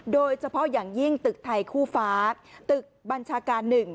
โดยเฉพาะอย่างยิ่งตึกไทยคู่ฟ้าตึกบัญชาการ๑